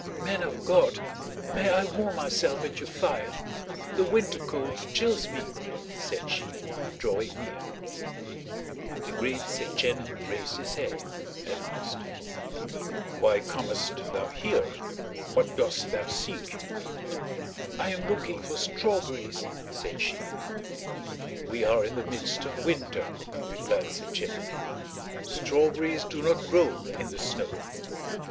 "Men of God, may I warm myself at your fire? The winter cold chills me," said she, drawing near. The great Setchène raised his head and asked: "Why comest thou here? What dost thou seek?" "I am looking for strawberries," said she. "We are in the midst of winter," replied Setchène; strawberries do not grow in the snow."